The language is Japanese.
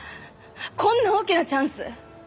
こんな大きなチャンス